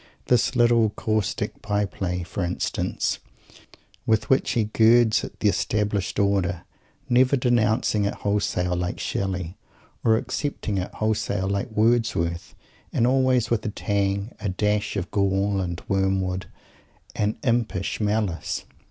That little caustic by play, for instance, with which he girds at the established order, never denouncing it wholesale like Shelley, or accepting it wholesale like Wordsworth and always with a tang, a dash of gall and wormwood, an impish malice.